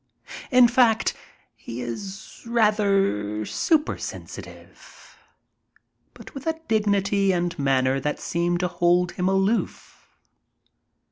In fact, he is rather supersensitive, but with a dignity and manner that seem to hold him aloof.